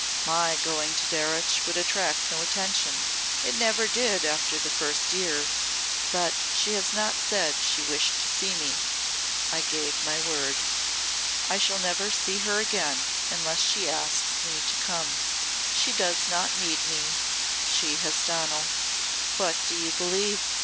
"My going to Darreuch would attract no attention. It never did after the first year. But she has not said she wished to see me. I gave my word. I shall never see her again unless she asks me to come. She does not need me. She has Donal." "What do you believe?"